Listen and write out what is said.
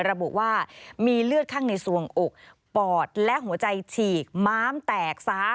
ระบุว่ามีเลือดข้างในส่วงอกปอดและหัวใจฉีกม้ามแตกซ้า